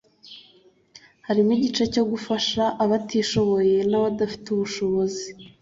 harimo igice cyo gufasha abatishoboye n’abadafite ubushobozi